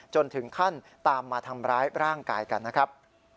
จนถึงขั้นตามมาทำร้ายร่างกายกันนะครับ